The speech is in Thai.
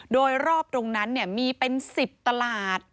โดยรอบตรงนั้นมีเป็น๑๐ตลาด